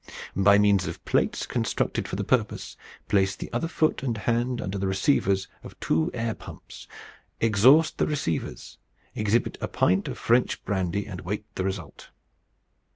By means of plates constructed for the purpose, place the other foot and hand under the receivers of two air pumps. Exhaust the receivers. Exhibit a pint of French brandy, and await the result."